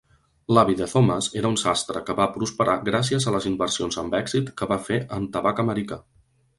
L'avi de Thomas era un sastre, que va prosperar gràcies a les inversions amb èxit que va fer en tabac americà.